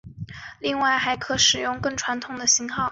另外还可使用更传统的型号。